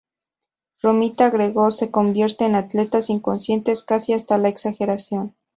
Romita agregó "Se convierten en atletas inconscientes, casi hasta la exageración.